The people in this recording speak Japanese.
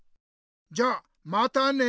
じゃまたね！